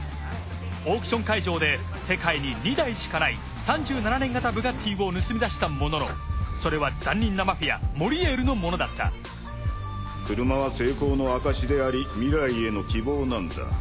オークション会場で世界に２台しかない３７年型ブガッティを盗みだしたもののそれは残忍なマフィアモリエールのものだった車は成功の証しであり未来への希望なんだ。